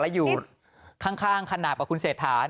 และอยู่ข้างขนาดกับคุณเศรษฐา